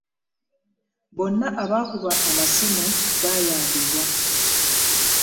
Bonna abaakuba amasimu baayambibwa.